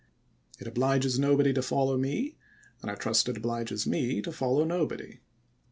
It obliges nobody to follow me, and I trust it obliges me to follow nobody.